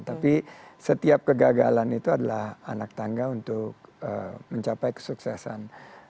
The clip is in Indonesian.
tapi setiap kegagalan itu adalah anak tangga untuk mencapai kesuksesan